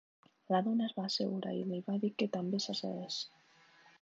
La dona es va asseure i li va dir que també s'assegués.